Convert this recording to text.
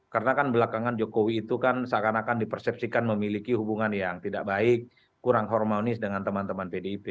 karena kan belakangan jokowi itu kan seakan akan dipersepsikan memiliki hubungan yang tidak baik kurang hormonis dengan teman teman pdip